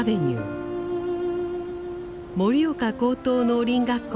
盛岡高等農林学校